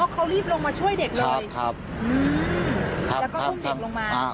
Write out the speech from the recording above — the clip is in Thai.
เขารีบลงมาช่วยเด็กเลยแล้วก็อุ้มเด็กลงมา